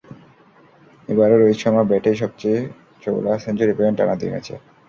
এবারও রোহিত শর্মার ব্যাটই সবচেয়ে চওড়া, সেঞ্চুরি পেলেন টানা দুই ম্যাচে।